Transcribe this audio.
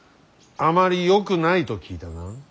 あまりよくないと聞いたが。